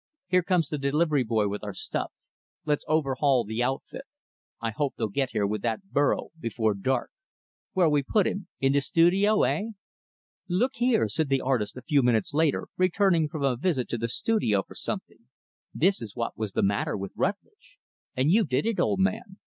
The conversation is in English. Here comes the delivery boy with our stuff. Let's overhaul the outfit. I hope they'll get here with that burro, before dark. Where'll we put him, in the studio, heh?" "Look here," said the artist a few minutes later, returning from a visit to the studio for something, "this is what was the matter with Rutlidge. And you did it, old man.